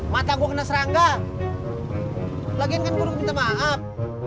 mata gua kena serangga lagian kan gua minta maaf